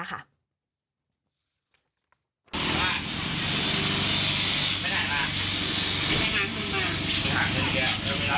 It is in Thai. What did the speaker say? ยามาแล้วได้มั้ยแหละ